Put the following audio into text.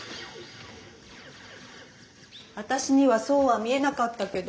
・私にはそうは見えなかったけど。